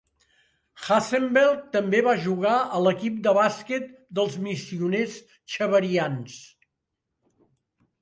Hasselbeck també va jugar a l"equip de bàsquet del missioners xaverians.